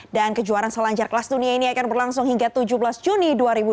dan kejuaran selanjar kelas dunia ini akan berlangsung hingga tujuh belas juni dua ribu dua puluh dua